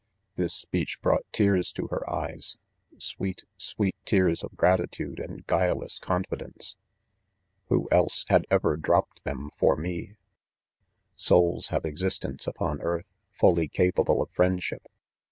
,• This speech "brought tears to her eyes,— Sweet, sweet tears of gratitude and guileless confidence ! who else had ever dropped them for me %■<■,■■■■ JSonls have existence upon earth, fully capa ble of friendship!